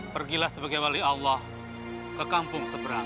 pergilah sebagai wali allah ke kampung seberang